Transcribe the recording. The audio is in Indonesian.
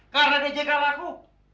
karena dia jejal aku